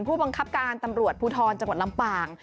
ผู้บังคับการตำรวจภูทรจังหวัดลำปาง